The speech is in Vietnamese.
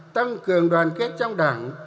tăng cường đoàn kết trong đảng